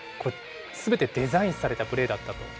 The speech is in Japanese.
すべてデザインされたプレーだったと？